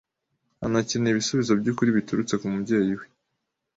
anakeneye ibisubizo by’ukuri biturutse ku mubyeyi we